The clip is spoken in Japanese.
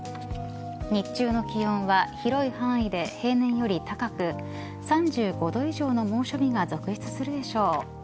日中の気温は広い範囲で平年より高く３５度以上の猛暑日が続出するでしょう。